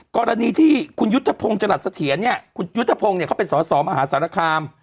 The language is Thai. กรณีที่คุณยุทธพงศ์จรัสเสถียรเนี่ยคุณยุทธพงศ์เนี่ยเขาเป็นสอสอมหาสารคาม